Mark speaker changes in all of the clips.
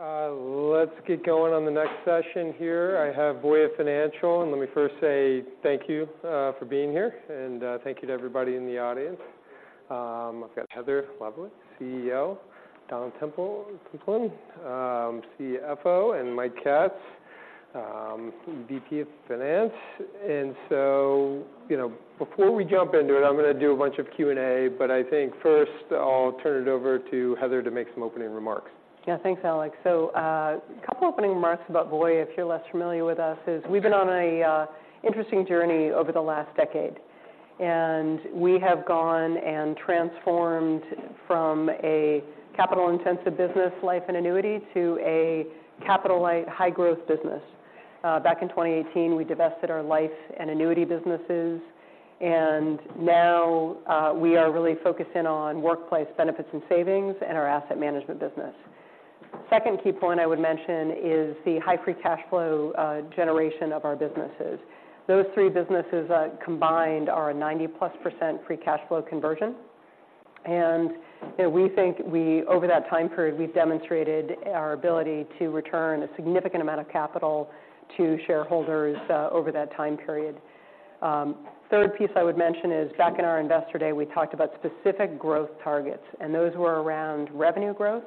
Speaker 1: All right, let's get going on the next session here. I have Voya Financial, and let me first say thank you for being here, and thank you to everybody in the audience. I've got Heather Lavallee, CEO; Don Templin, CFO; and Mike Katz, VP of Finance. So, you know, before we jump into it, I'm gonna do a bunch of Q&A, but I think first I'll turn it over to Heather to make some opening remarks.
Speaker 2: Yeah. Thanks, Alex. So, a couple opening remarks about Voya, if you're less familiar with us, is we've been on a, interesting journey over the last decade, and we have gone and transformed from a capital-intensive business life and annuity to a capital-light, high-growth business. Back in 2018, we divested our life and annuity businesses, and now, we are really focused in on workplace benefits and savings and our asset management business. Second key point I would mention is the high free cash flow, generation of our businesses. Those three businesses, combined are a 90%+ free cash flow conversion. And, you know, we think we over that time period, we've demonstrated our ability to return a significant amount of capital to shareholders, over that time period. Third piece I would mention is, back in our Investor Day, we talked about specific growth targets, and those were around revenue growth,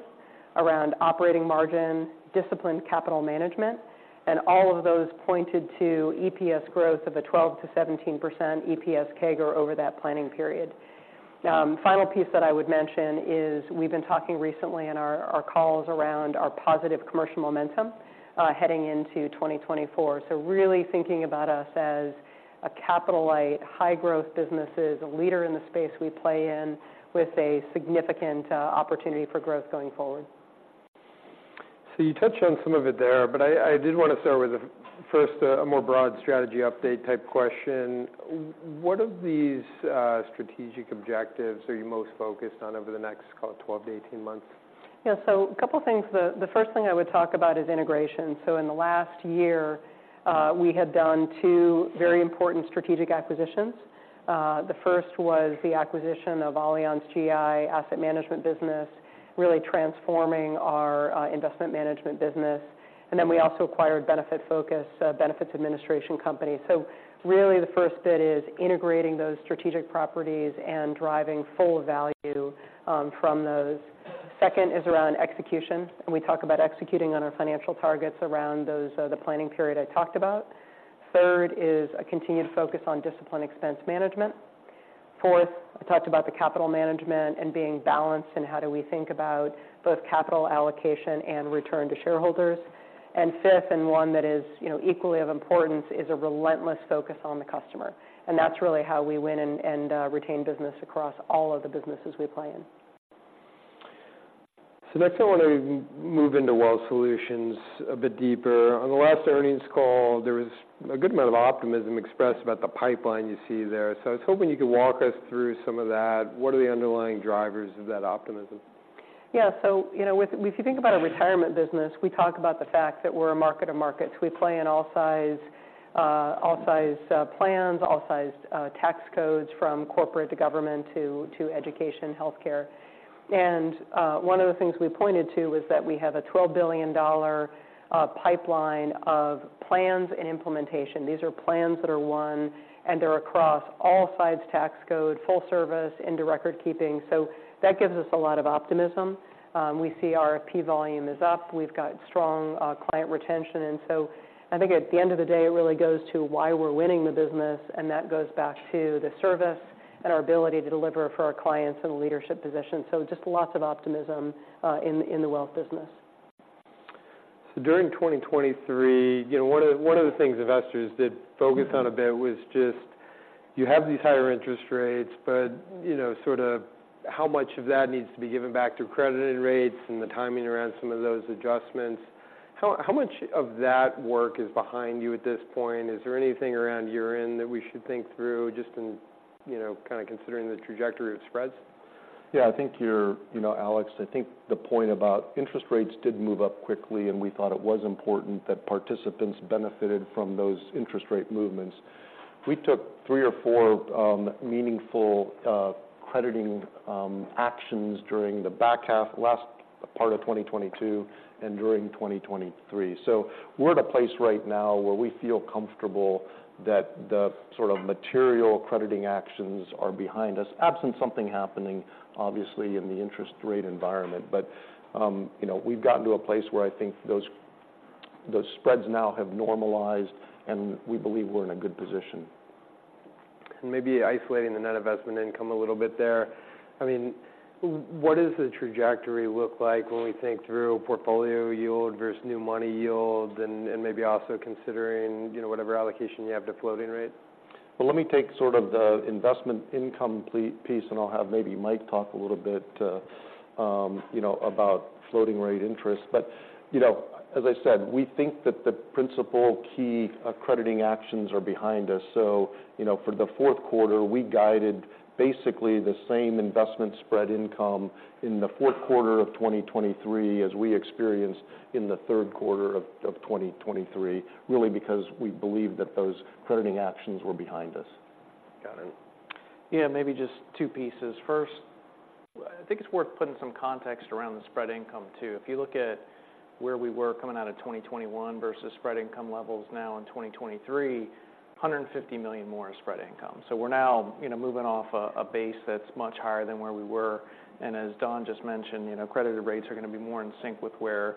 Speaker 2: around operating margin, disciplined capital management, and all of those pointed to EPS growth of a 12%-17% EPS CAGR over that planning period. Final piece that I would mention is we've been talking recently in our, our calls around our positive commercial momentum, heading into 2024. So really thinking about us as a capital-light, high-growth business is a leader in the space we play in, with a significant opportunity for growth going forward.
Speaker 1: So you touched on some of it there, but I did want to start with the first, a more broad strategy update type question. What of these strategic objectives are you most focused on over the next, call it, 12-18 months?
Speaker 2: Yeah. So a couple things. The first thing I would talk about is integration. So in the last year, we had done two very important strategic acquisitions. The first was the acquisition of AllianzGI asset management business, really transforming our Investment Management business. And then we also acquired Benefitfocus, benefits administration company. So really, the first bit is integrating those strategic properties and driving full value from those. Second is around execution, and we talk about executing on our financial targets around those, the planning period I talked about. Third is a continued focus on discipline expense management. Fourth, I talked about the capital management and being balanced, and how do we think about both capital allocation and return to shareholders. And fifth, and one that is, you know, equally of importance, is a relentless focus on the customer, and that's really how we win and retain business across all of the businesses we play in.
Speaker 1: So next, I want to move into Wealth Solutions a bit deeper. On the last earnings call, there was a good amount of optimism expressed about the pipeline you see there. So I was hoping you could walk us through some of that. What are the underlying drivers of that optimism?
Speaker 2: Yeah. So, you know, if you think about our retirement business, we talk about the fact that we're a market of markets. We play in all sizes plans, all sizes tax codes, from corporate to government to education, healthcare. And one of the things we pointed to was that we have a $12 billion pipeline of plans and implementation. These are plans that are won, and they're across all sizes tax code, full service into record keeping. So that gives us a lot of optimism. We see our FP volume is up. We've got strong client retention. And so I think at the end of the day, it really goes to why we're winning the business, and that goes back to the service and our ability to deliver for our clients in a leadership position. So just lots of optimism in the wealth business.
Speaker 1: So during 2023, you know, one of the things investors did focus on a bit was just, you have these higher interest rates, but, you know, sort of how much of that needs to be given back through credited rates and the timing around some of those adjustments. How much of that work is behind you at this point? Is there anything around year-end that we should think through, just in, you know, kind of considering the trajectory of spreads?
Speaker 3: Yeah, I think you're. You know, Alex, I think the point about interest rates did move up quickly, and we thought it was important that participants benefited from those interest rate movements. We took three or four meaningful crediting actions during the back half, last part of 2022 and during 2023. So we're at a place right now where we feel comfortable that the sort of material crediting actions are behind us, absent something happening, obviously, in the interest rate environment. But, you know, we've gotten to a place where I think those, those spreads now have normalized, and we believe we're in a good position.
Speaker 1: Maybe isolating the net investment income a little bit there. I mean, what does the trajectory look like when we think through portfolio yield versus new money yield and maybe also considering, you know, whatever allocation you have to floating rate?
Speaker 3: Well, let me take sort of the investment income piece, and I'll have maybe Mike talk a little bit, you know, about floating rate interest. But, you know, as I said, we think that the principal key crediting actions are behind us. So, you know, for the fourth quarter, we guided basically the same investment spread income in the fourth quarter of 2023 as we experienced in the third quarter of 2023, really because we believe that those crediting actions were behind us.
Speaker 1: Got it.
Speaker 4: Yeah, maybe just two pieces. First, I think it's worth putting some context around the spread income, too. If you look at where we were coming out of 2021 versus spread income levels now in 2023, $150 million more in spread income. So we're now, you know, moving off a base that's much higher than where we were. And as Don just mentioned, you know, credited rates are going to be more in sync with where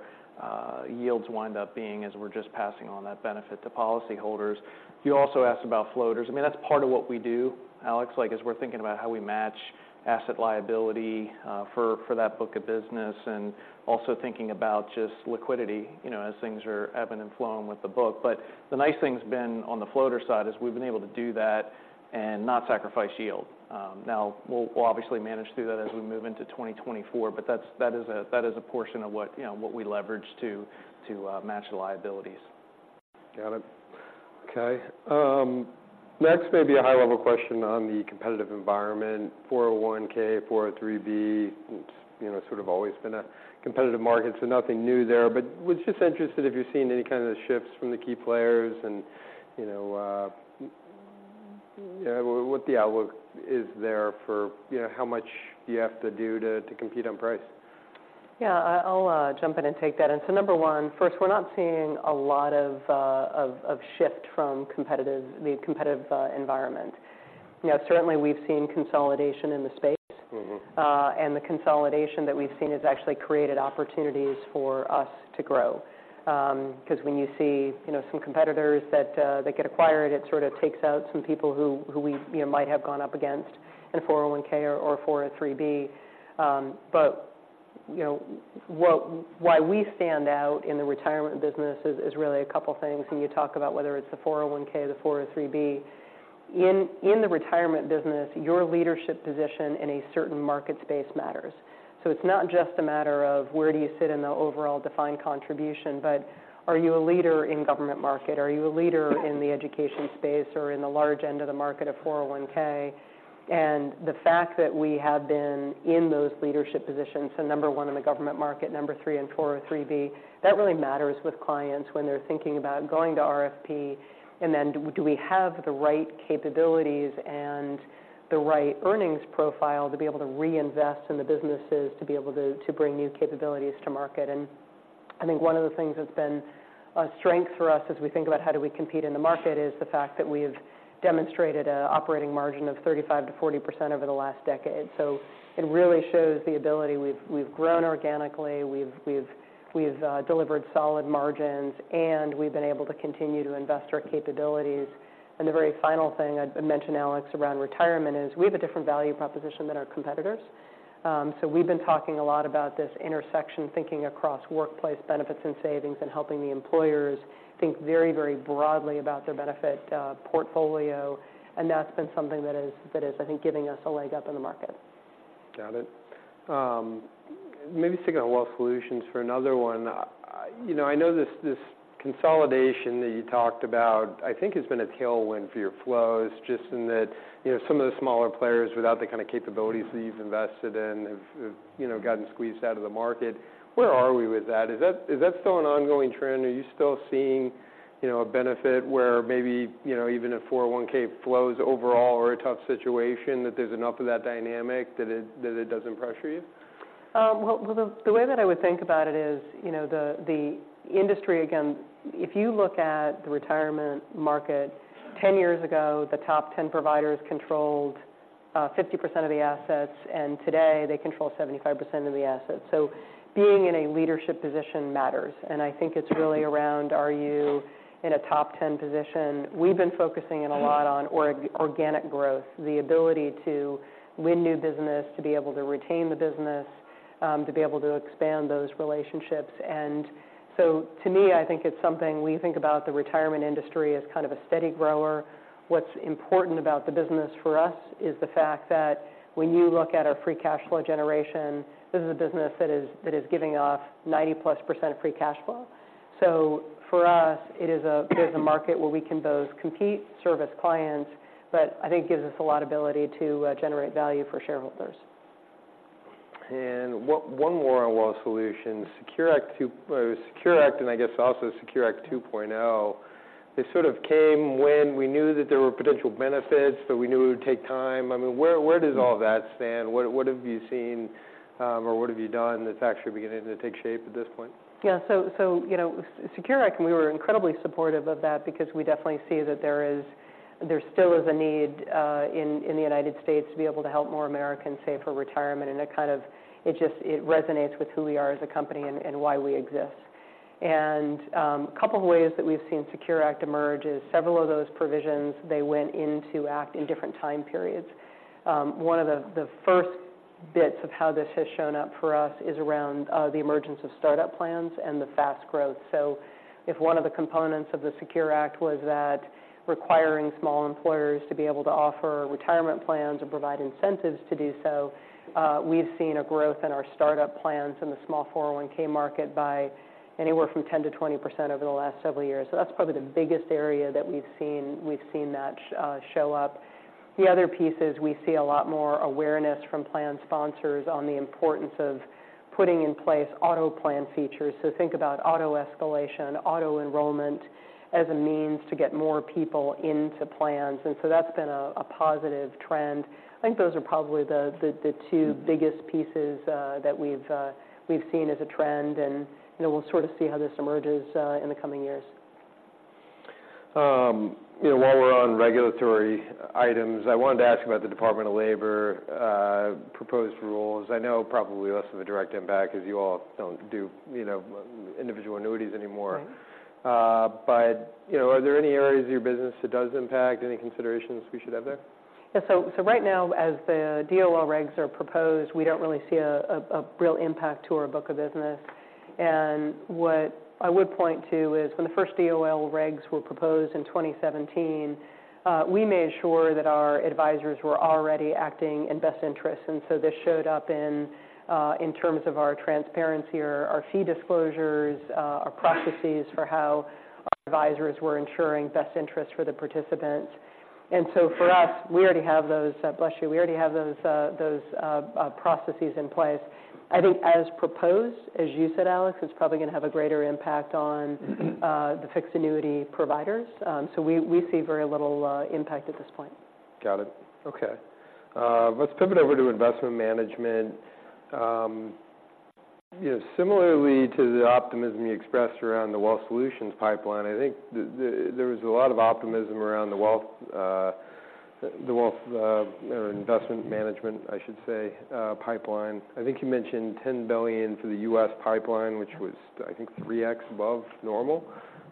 Speaker 4: yields wind up being, as we're just passing on that benefit to policyholders. You also asked about floaters. I mean, that's part of what we do, Alex, like, as we're thinking about how we match asset liability for that book of business and also thinking about just liquidity, you know, as things are ebbing and flowing with the book. But the nice thing's been, on the floater side, is we've been able to do that and not sacrifice yield. Now, we'll obviously manage through that as we move into 2024, but that's a portion of what, you know, what we leverage to match the liabilities.
Speaker 1: Got it. Okay, next, maybe a high-level question on the competitive environment, 401(k), 403(b), you know, sort of always been a competitive market, so nothing new there. But was just interested if you're seeing any kind of shifts from the key players and, you know, yeah, what the outlook is there for You know, how much do you have to do to compete on price?
Speaker 2: Yeah, I'll jump in and take that. And so number one, first, we're not seeing a lot of shift from the competitive environment. You know, certainly we've seen consolidation in the space. The consolidation that we've seen has actually created opportunities for us to grow. 'Cause when you see, you know, some competitors that they get acquired, it sort of takes out some people who we, you know, might have gone up against in 401 or 403. But, you know, why we stand out in the retirement business is really a couple things, when you talk about whether it's the 401, the 403. In the retirement business, your leadership position in a certain market space matters. So it's not just a matter of where do you sit in the overall defined contribution, but are you a leader in government market? Are you a leader in the education space or in the large end of the market of 401? The fact that we have been in those leadership positions, so number one in the government market, number three in 403, that really matters with clients when they're thinking about going to RFP. And then do we have the right capabilities and the right earnings profile to be able to reinvest in the businesses, to bring new capabilities to market? And I think one of the things that's been a strength for us as we think about how do we compete in the market, is the fact that we have demonstrated an operating margin of 35%-40% over the last decade. So it really shows the ability. We've grown organically, we've delivered solid margins, and we've been able to continue to invest our capabilities. The very final thing I'd mention, Alex, around retirement is, we have a different value proposition than our competitors. So we've been talking a lot about this intersection, thinking across workplace benefits and savings, and helping the employers think very, very broadly about their benefit portfolio, and that's been something that is, I think, giving us a leg up in the market.
Speaker 1: Got it. Maybe sticking to Wealth Solutions for another one. You know, I know this, this consolidation that you talked about, I think, has been a tailwind for your flows, just in that, you know, some of the smaller players without the kind of capabilities that you've invested in have, have, you know, gotten squeezed out of the market. Where are we with that? Is that, is that still an ongoing trend? Are you still seeing, you know, a benefit where maybe, you know, even if 401 flows overall are a tough situation, that there's enough of that dynamic that it, that it doesn't pressure you?
Speaker 2: Well, the way that I would think about it is, you know, the industry. Again, if you look at the retirement market, 10 years ago, the top 10 providers controlled 50% of the assets, and today they control 75% of the assets. So being in a leadership position matters, and I think it's really around, are you in a top 10 position? We've been focusing in a lot on organic growth, the ability to win new business, to be able to retain the business, to be able to expand those relationships. And so to me, I think it's something we think about the retirement industry as kind of a steady grower. What's important about the business for us is the fact that when you look at our free cash flow generation, this is a business that is giving off 90%+ of free cash flow. So for us, it is a market where we can both compete, service clients, but I think gives us a lot of ability to generate value for shareholders.
Speaker 1: One more on Wealth Solutions. SECURE Act 2.0, SECURE Act, and I guess also SECURE Act 2.0, they sort of came when we knew that there were potential benefits, but we knew it would take time. I mean, where, where does all that stand? What, what have you seen, or what have you done that's actually beginning to take shape at this point?
Speaker 2: Yeah. So, you know, SECURE Act, we were incredibly supportive of that because we definitely see that there still is a need in the United States to be able to help more Americans save for retirement. And it just resonates with who we are as a company and why we exist. And couple of ways that we've seen SECURE Act emerge is, several of those provisions, they went into act in different time periods. One of the first bits of how this has shown up for us is around the emergence of startup plans and the fast growth. So if one of the components of the Secure Act was that requiring small employers to be able to offer retirement plans or provide incentives to do so, we've seen a growth in our startup plans in the small 401 market by anywhere from 10%-20% over the last several years. So that's probably the biggest area that we've seen, we've seen that show up. The other piece is, we see a lot more awareness from plan sponsors on the importance of putting in place auto plan features. So think about auto escalation, auto enrollment as a means to get more people into plans. And so that's been a positive trend. I think those are probably the two biggest pieces that we've seen as a trend, and, you know, we'll sort of see how this emerges in the coming years.
Speaker 1: You know, while we're on regulatory items, I wanted to ask about the Department of Labor proposed rules. I know probably less of a direct impact, as you all don't do, you know, individual annuities anymore. You know, are there any areas of your business it does impact? Any considerations we should have there?
Speaker 2: Yeah. So right now, as the DOL regs are proposed, we don't really see a real impact to our book of business. And what I would point to is when the first DOL regs were proposed in 2017, we made sure that our advisors were already acting in best interest. And so this showed up in terms of our transparency or our fee disclosures, our processes for how our advisors were ensuring best interest for the participant. And so for us, we already have those. Bless you. We already have those processes in place. I think as proposed, as you said, Alex, it's probably gonna have a greater impact on the fixed annuity providers. So we see very little impact at this point.
Speaker 1: Got it. Okay. Let's pivot over to Investment Management. You know, similarly to the optimism you expressed around the Wealth Solutions pipeline, I think there was a lot of optimism around the wealth or Investment Management, I should say, pipeline. I think you mentioned $10 billion for the U.S. pipeline, which was, I think, 3x above normal.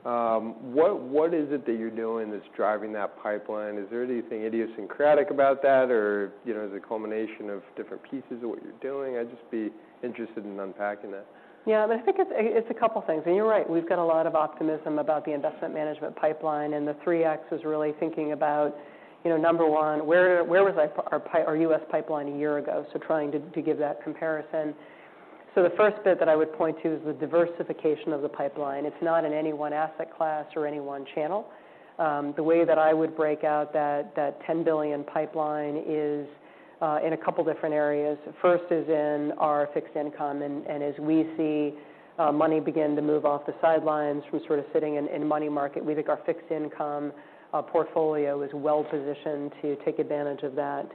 Speaker 1: What is it that you're doing that's driving that pipeline? Is there anything idiosyncratic about that, or, you know, is it a culmination of different pieces of what you're doing? I'd just be interested in unpacking that.
Speaker 2: Yeah. I think it's a couple things. And you're right, we've got a lot of optimism about the Investment Management pipeline, and the 3x is really thinking about, you know, number one, where was our pipeline a year ago? So trying to give that comparison. So the first bit that I would point to is the diversification of the pipeline. It's not in any one asset class or any one channel. The way that I would break out that $10 billion pipeline is in a couple different areas. First is in our fixed income, and as we see money begin to move off the sidelines from sort of sitting in money market, we think our fixed income portfolio is well positioned to take advantage of that.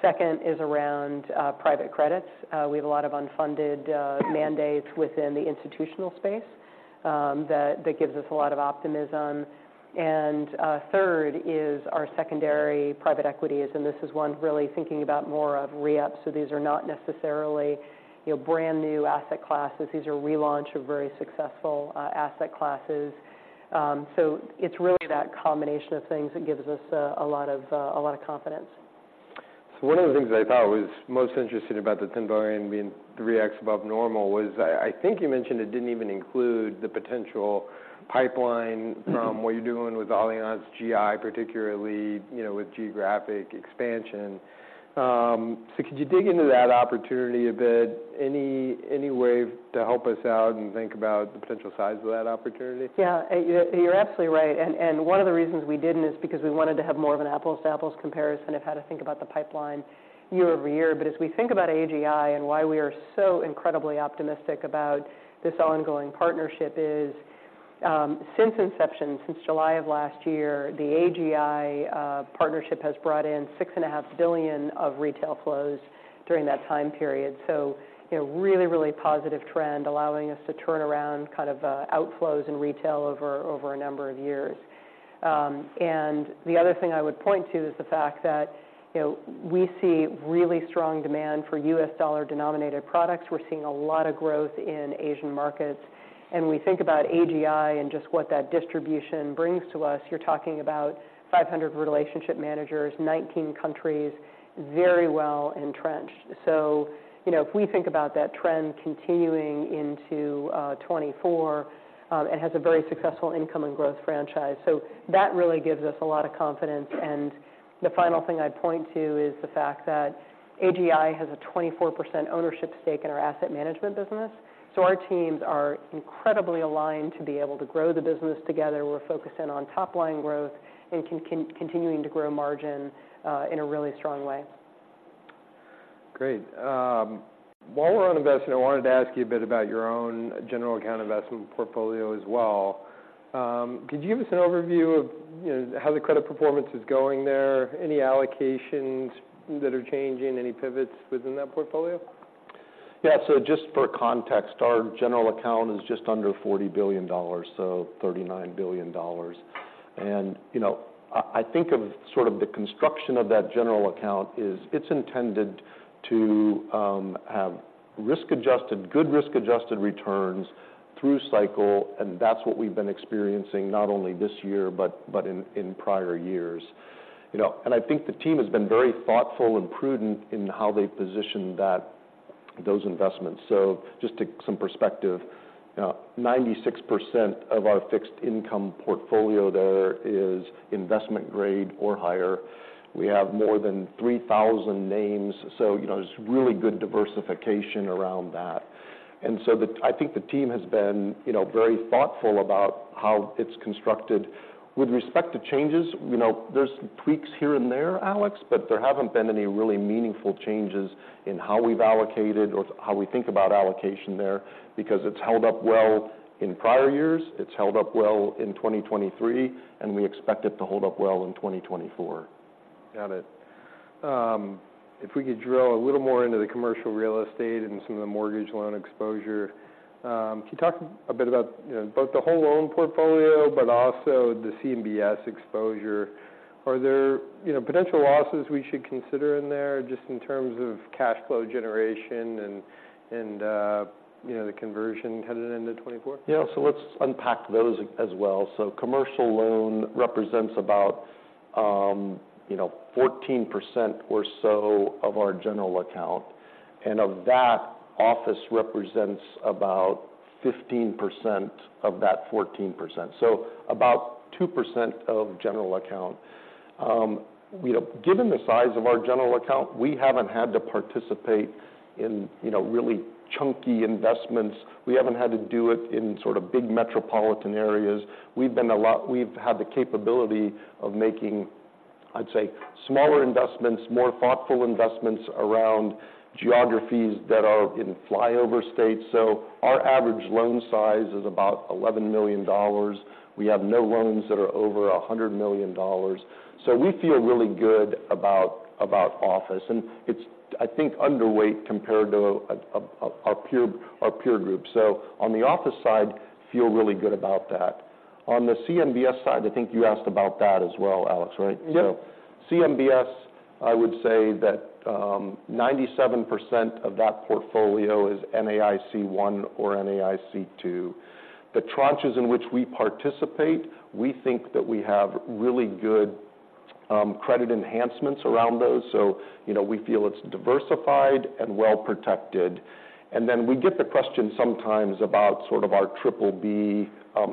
Speaker 2: Second is around private credit. We have a lot of unfunded mandates within the institutional space that gives us a lot of optimism. And third is our secondary private equity, and this is one really thinking about more of reups. So these are not necessarily, you know, brand-new asset classes. These are relaunch of very successful asset classes. So it's really that combination of things that gives us a lot of confidence.
Speaker 1: So one of the things I thought was most interesting about the $10 billion being 3x above normal was I think you mentioned it didn't even include the potential pipeline from what you're doing with AllianzGI, particularly, you know, with geographic expansion. So could you dig into that opportunity a bit? Any way to help us out and think about the potential size of that opportunity?
Speaker 2: Yeah, you're absolutely right, and one of the reasons we didn't is because we wanted to have more of an apples-to-apples comparison of how to think about the pipeline year-over-year. But as we think about AGI and why we are so incredibly optimistic about this ongoing partnership is, since inception, since July of last year, the AGI partnership has brought in $6.5 billion of retail flows during that time period. So, you know, really, really positive trend, allowing us to turn around kind of outflows in retail over a number of years. And the other thing I would point to is the fact that, you know, we see really strong demand for U.S. dollar-denominated products. We're seeing a lot of growth in Asian markets, and we think about AGI and just what that distribution brings to us. You're talking about 500 relationship managers, 19 countries, very well entrenched. So, you know, if we think about that trend continuing into 2024, it has a very successful income and growth franchise. So that really gives us a lot of confidence. And the final thing I'd point to is the fact that AGI has a 24% ownership stake in our asset management business, so our teams are incredibly aligned to be able to grow the business together. We're focused in on top-line growth and continuing to grow margin in a really strong way.
Speaker 1: Great. While we're on investment, I wanted to ask you a bit about your own general account investment portfolio as well. Could you give us an overview of, you know, how the credit performance is going there? Any allocations that are changing, any pivots within that portfolio?
Speaker 3: Yeah. So just for context, our general account is just under $40 billion, so $39 billion. And, you know, I, I think of sort of the construction of that general account is it's intended to have risk-adjusted good risk-adjusted returns through cycle, and that's what we've been experiencing, not only this year but, but in, in prior years. You know, and I think the team has been very thoughtful and prudent in how they've positioned that those investments. So just to take some perspective, 96% of our fixed income portfolio there is investment grade or higher. We have more than 3,000 names, so, you know, there's really good diversification around that. And so the, I think the team has been, you know, very thoughtful about how it's constructed. With respect to changes, you know, there's some tweaks here and there, Alex, but there haven't been any really meaningful changes in how we've allocated or how we think about allocation there, because it's held up well in prior years, it's held up well in 2023, and we expect it to hold up well in 2024.
Speaker 1: Got it. If we could drill a little more into the commercial real estate and some of the mortgage loan exposure, can you talk a bit about, you know, both the whole loan portfolio, but also the CMBS exposure? Are there, you know, potential losses we should consider in there, just in terms of cash flow generation and, you know, the conversion headed into 2024?
Speaker 3: Yeah. So let's unpack those as well. So commercial loan represents about, you know, 14% or so of our general account, and of that, office represents about 15% of that 14%, so about 2% of general account. You know, given the size of our general account, we haven't had to participate in, you know, really chunky investments. We haven't had to do it in sort of big metropolitan areas. We've been a lot. We've had the capability of making, I'd say, smaller investments, more thoughtful investments around geographies that are in flyover states. So our average loan size is about $11 million. We have no loans that are over $100 million. So we feel really good about, about office, and it's, I think, underweight compared to a, a, our peer, our peer group. So on the office side, feel really good about that. On the CMBS side, I think you asked about that as well, Alex, right?
Speaker 1: Yep.
Speaker 3: So CMBS, I would say that 97% of that portfolio is NAIC 1 or NAIC 2. The tranches in which we participate, we think that we have really good credit enhancements around those. So, you know, we feel it's diversified and well protected. And then we get the question sometimes about sort of our triple-B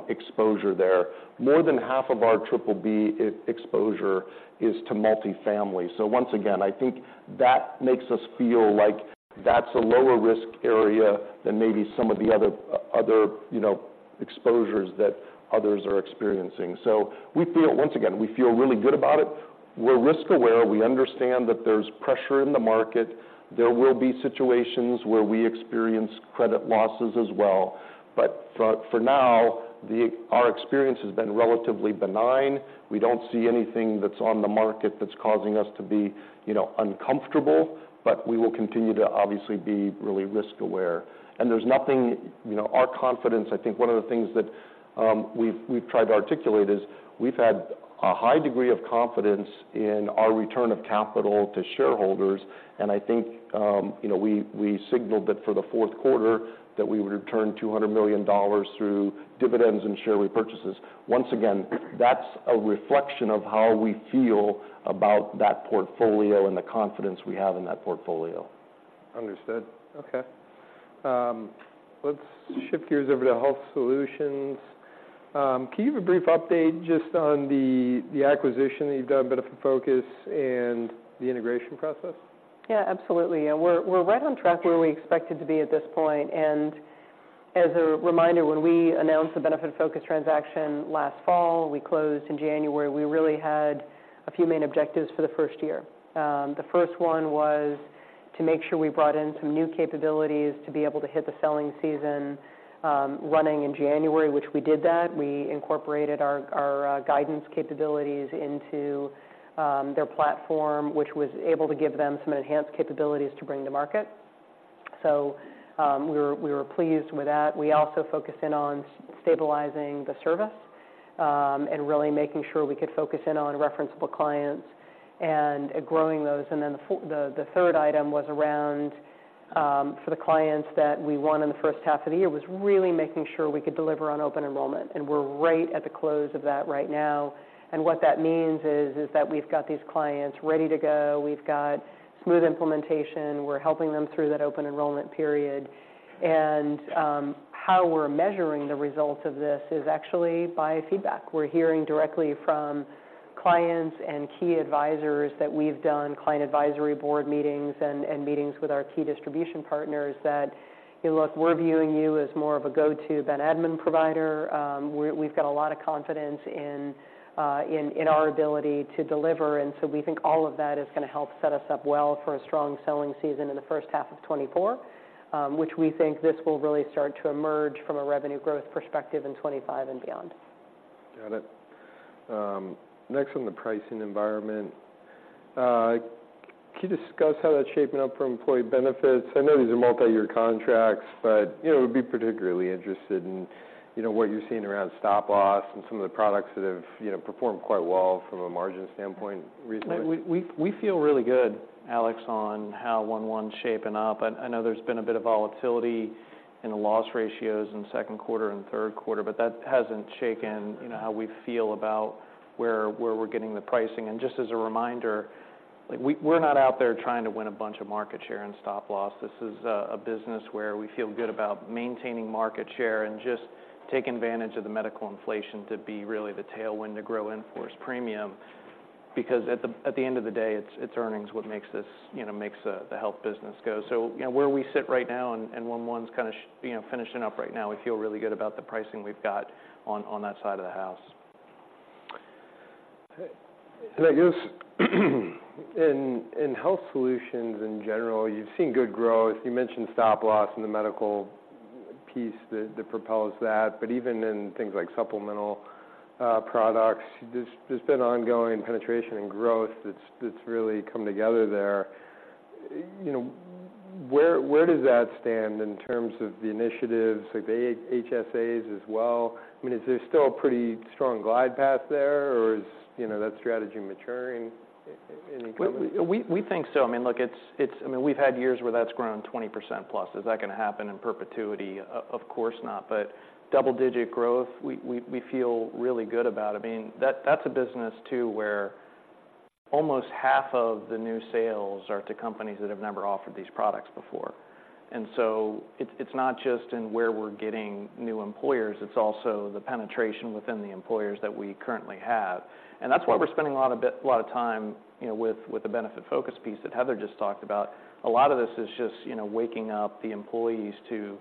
Speaker 3: exposure there. More than half of our triple-B exposure is to multifamily. So once again, I think that makes us feel like that's a lower risk area than maybe some of the other other, you know, exposures that others are experiencing. So we feel. Once again, we feel really good about it. We're risk aware. We understand that there's pressure in the market. There will be situations where we experience credit losses as well. But for now, our experience has been relatively benign. We don't see anything that's on the market that's causing us to be, you know, uncomfortable, but we will continue to obviously be really risk aware. There's nothing. You know, our confidence, I think one of the things that we've tried to articulate is, we've had a high degree of confidence in our return of capital to shareholders, and I think, you know, we signaled that for the fourth quarter, that we would return $200 million through dividends and share repurchases. Once again, that's a reflection of how we feel about that portfolio and the confidence we have in that portfolio.
Speaker 1: Understood. Okay. Let's shift gears over to Health Solutions. Can you give a brief update just on the acquisition that you've done, Benefitfocus, and the integration process?
Speaker 2: Yeah, absolutely. Yeah, we're right on track where we expected to be at this point. And as a reminder, when we announced the Benefitfocus transaction last fall, we closed in January, we really had a few main objectives for the first year. The first one was to make sure we brought in some new capabilities to be able to hit the selling season running in January, which we did that. We incorporated our guidance capabilities into their platform, which was able to give them some enhanced capabilities to bring to market. So, we were pleased with that. We also focused in on stabilizing the service and really making sure we could focus in on referenceable clients and growing those. And then the third item was around for the clients that we won in the first half of the year, was really making sure we could deliver on open enrollment, and we're right at the close of that right now. And what that means is that we've got these clients ready to go. We've got smooth implementation. We're helping them through that open enrollment period. And how we're measuring the results of this is actually by feedback. We're hearing directly from clients and key advisors, that we've done client advisory board meetings and meetings with our key distribution partners that: "Hey, look, we're viewing you as more of a go-to benefit admin provider." We've got a lot of confidence in our ability to deliver, and so we think all of that is gonna help set us up well for a strong selling season in the first half of 2024. Which we think this will really start to emerge from a revenue growth perspective in 2025 and beyond.
Speaker 1: Got it. Next on the pricing environment, can you discuss how that's shaping up for employee benefits? I know these are multiyear contracts, but, you know, I would be particularly interested in, you know, what you're seeing around Stop Loss and some of the products that have, you know, performed quite well from a margin standpoint recently.
Speaker 4: We feel really good, Alex, on how 1/1 shaping up. I know there's been a bit of volatility in the loss ratios in second quarter and third quarter, but that hasn't shaken, you know, how we feel about where we're getting the pricing. And just as a reminder, like, we're not out there trying to win a bunch of market share and Stop Loss. This is a business where we feel good about maintaining market share and just taking advantage of the medical inflation to be really the tailwind to grow in force premium because at the end of the day, it's earnings what makes this, you know, makes the health business go. So, you know, where we sit right now and when 1/1 finishing up right now, we feel really good about the pricing we've got on that side of the house.
Speaker 1: Okay. And I guess, in health solutions in general, you've seen good growth. You mentioned stop loss in the medical piece that propels that. But even in things like supplemental products, there's been ongoing penetration and growth that's really come together there. You know, where does that stand in terms of the initiatives, like the HSAs as well? I mean, is there still a pretty strong glide path there, or, you know, that strategy maturing in coming?
Speaker 4: We think so. I mean, look, it's, it's I mean, we've had years where that's grown 20% plus. Is that going to happen in perpetuity? Of course not. But double-digit growth, we feel really good about it. I mean, that's a business too, where almost half of the new sales are to companies that have never offered these products before. And so it's not just in where we're getting new employers, it's also the penetration within the employers that we currently have. And that's why we're spending a lot of time, you know, with the Benefitfocus piece that Heather just talked about. A lot of this is just, you know, waking up the employees to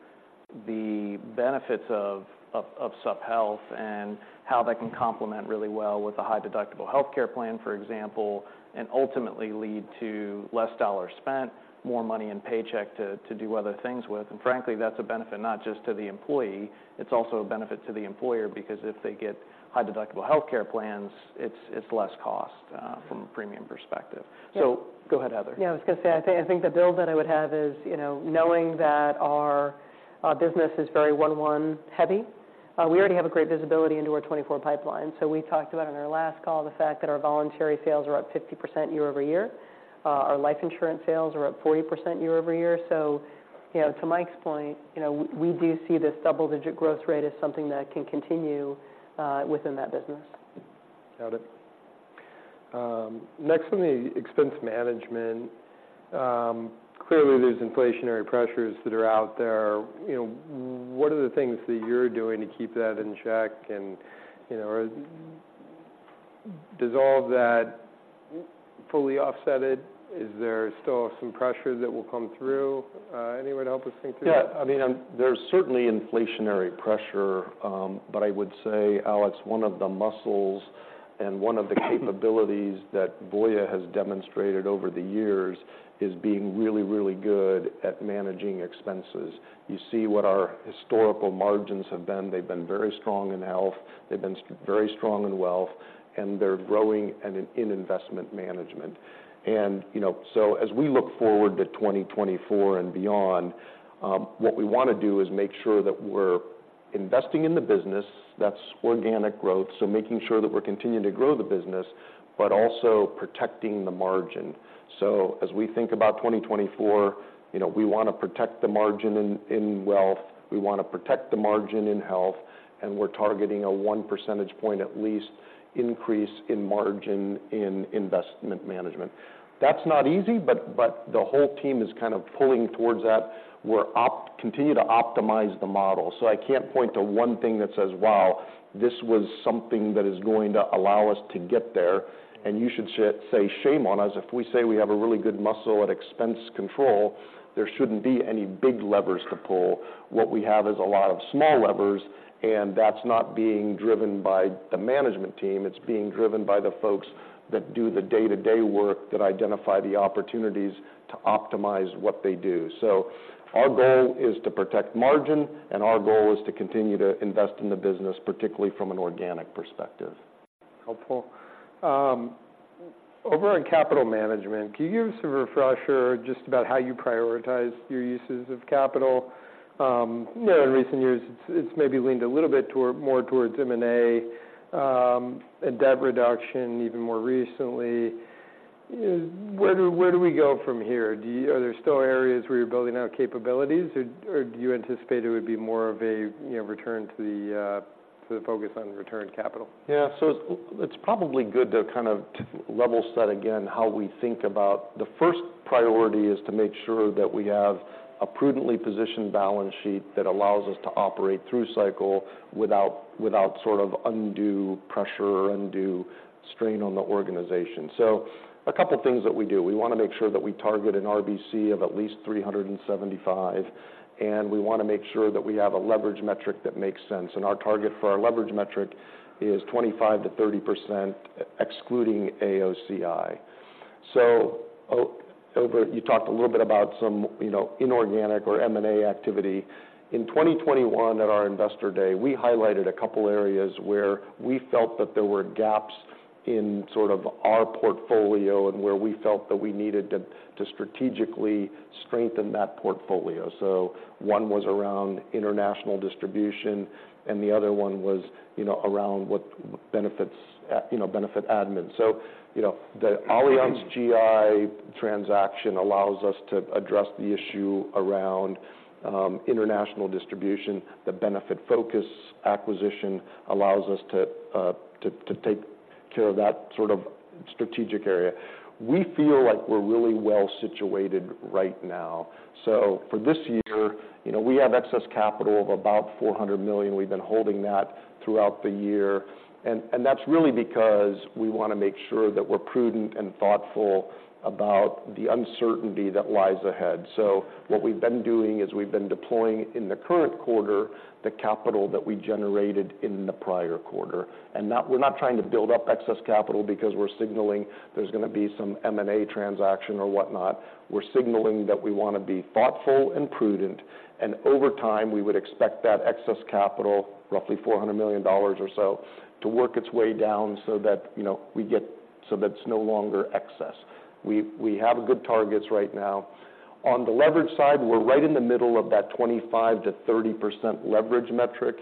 Speaker 4: the benefits of supp health and how that can complement really well with a high deductible healthcare plan, for example, and ultimately lead to less dollars spent, more money in paycheck to do other things with. And frankly, that's a benefit not just to the employee, it's also a benefit to the employer, because if they get high deductible healthcare plans, it's less cost from a premium perspective.
Speaker 2: Yeah.
Speaker 4: Go ahead, Heather.
Speaker 2: Yeah, I was going to say, I think, I think the build that I would have is, you know, knowing that our business is very one, one heavy. We already have a great visibility into our 2024 pipeline. So we talked about in our last call, the fact that our voluntary sales are up 50% year-over-year. Our life insurance sales are up 40% year-over-year. So, you know, to Mike's point, you know, we, we do see this double-digit growth rate as something that can continue within that business.
Speaker 1: Got it. Next, on the expense management, clearly, there's inflationary pressures that are out there. You know, what are the things that you're doing to keep that in check? You know, does all that fully offset it? Is there still some pressure that will come through? Anyone to help us think through that?
Speaker 3: Yeah, I mean, there's certainly inflationary pressure, but I would say, Alex, one of the muscles and one of the capabilities that Voya has demonstrated over the years is being really, really good at managing expenses. You see what our historical margins have been. They've been very strong in health, they've been very strong in wealth, and they're growing in Investment Management. And, you know, so as we look forward to 2024 and beyond, what we want to do is make sure that we're investing in the business. That's organic growth, so making sure that we're continuing to grow the business, but also protecting the margin. So as we think about 2024, you know, we want to protect the margin in, in wealth, we want to protect the margin in health, and we're targeting a 1 percentage point, at least, increase in margin in Investment Management. That's not easy, but, but the whole team is kind of pulling towards that. We're continue to optimize the model. So I can't point to one thing that says, "Wow, this was something that is going to allow us to get there." And you should say shame on us. If we say we have a really good muscle at expense control, there shouldn't be any big levers to pull. What we have is a lot of small levers, and that's not being driven by the management team, it's being driven by the folks that do the day-to-day work, that identify the opportunities to optimize what they do. Our goal is to protect margin, and our goal is to continue to invest in the business, particularly from an organic perspective.
Speaker 1: Helpful. Over in capital management, can you give us a refresher just about how you prioritize your uses of capital? You know, in recent years, it's maybe leaned a little bit toward more towards M&A, and debt reduction even more recently. Where do we go from here? Are there still areas where you're building out capabilities, or do you anticipate it would be more of a, you know, return to the focus on return capital?
Speaker 3: Yeah, so it's probably good to kind of level set again, how we think about. The first priority is to make sure that we have a prudently positioned balance sheet that allows us to operate through cycle without, without sort of undue pressure or undue strain on the organization. So a couple things that we do. We want to make sure that we target an RBC of at least 375, and we want to make sure that we have a leverage metric that makes sense, and our target for our leverage metric is 25%-30%, excluding AOCI. So over. You talked a little bit about some, you know, inorganic or M&A activity. In 2021, at our Investor Day, we highlighted a couple areas where we felt that there were gaps in sort of our portfolio and where we felt that we needed to strategically strengthen that portfolio. So one was around international distribution, and the other one was, you know, around what benefits, you know, benefit admin. So, you know, the AllianzGI transaction allows us to address the issue around international distribution. The Benefitfocus acquisition allows us to take care of that sort of strategic area. We feel like we're really well situated right now. So for this year, you know, we have excess capital of about $400 million. We've been holding that throughout the year. And that's really because we wanna make sure that we're prudent and thoughtful about the uncertainty that lies ahead. So what we've been doing is we've been deploying, in the current quarter, the capital that we generated in the prior quarter. And we're not trying to build up excess capital because we're signaling there's gonna be some M&A transaction or whatnot. We're signaling that we wanna be thoughtful and prudent, and over time, we would expect that excess capital, roughly $400 million or so, to work its way down so that, you know, we get so that it's no longer excess. We have good targets right now. On the leverage side, we're right in the middle of that 25%-30% leverage metric.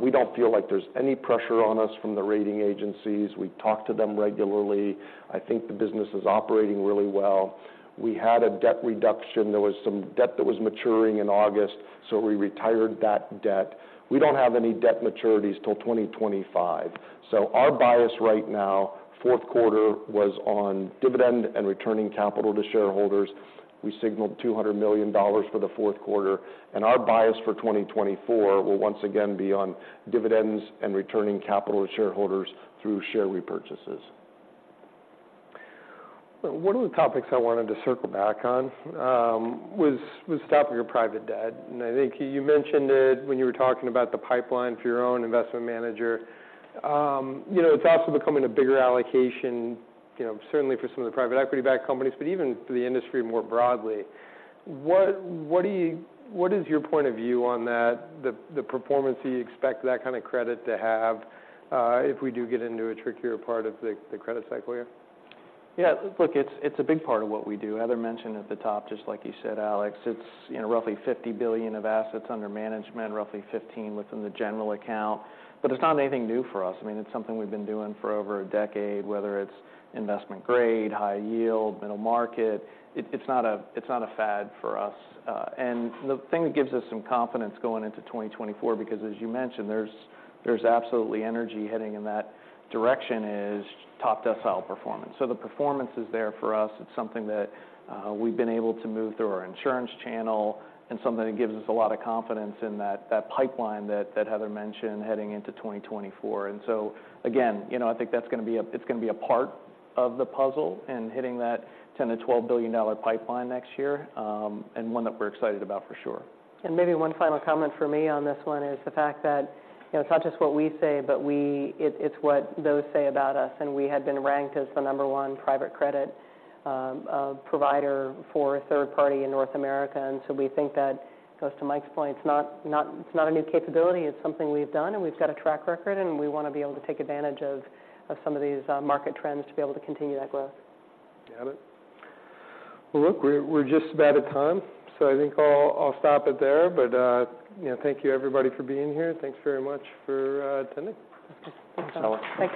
Speaker 3: We don't feel like there's any pressure on us from the rating agencies. We talk to them regularly. I think the business is operating really well. We had a debt reduction. There was some debt that was maturing in August, so we retired that debt. We don't have any debt maturities till 2025, so our bias right now, fourth quarter, was on dividend and returning capital to shareholders. We signaled $200 million for the fourth quarter, and our bias for 2024 will once again be on dividends and returning capital to shareholders through share repurchases.
Speaker 1: One of the topics I wanted to circle back on was stopping your private debt. And I think you mentioned it when you were talking about the pipeline for your own investment manager. You know, it's also becoming a bigger allocation, you know, certainly for some of the private equity-backed companies, but even for the industry more broadly. What do you what is your point of view on that, the performance you expect that kind of credit to have, if we do get into a trickier part of the credit cycle here?
Speaker 4: Yeah, look, it's a big part of what we do. Heather mentioned at the top, just like you said, Alex, it's, you know, roughly $50 billion of assets under management, roughly $15 billion within the general account. But it's not anything new for us. I mean, it's something we've been doing for over a decade, whether it's investment grade, high yield, middle market. It's not a fad for us. And the thing that gives us some confidence going into 2024, because, as you mentioned, there's absolutely energy heading in that direction, is top decile performance. So the performance is there for us. It's something that we've been able to move through our insurance channel and something that gives us a lot of confidence in that pipeline that Heather mentioned heading into 2024. And so again, you know, I think that's gonna be a—it's gonna be a part of the puzzle in hitting that $10 billion-$12 billion pipeline next year, and one that we're excited about for sure.
Speaker 2: Maybe one final comment from me on this one is the fact that, you know, it's not just what we say, but it's what those say about us, and we have been ranked as the number one private credit provider for a third party in North America. So we think that goes to Mike's point. It's not a new capability. It's something we've done, and we've got a track record, and we wanna be able to take advantage of some of these market trends to be able to continue that growth.
Speaker 1: Got it. Well, look, we're just about at time, so I think I'll stop it there. But, you know, thank you, everybody, for being here. Thanks very much for attending.
Speaker 4: Thanks, Alex.
Speaker 2: Thanks.